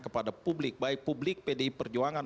kepada publik baik publik pdi perjuangan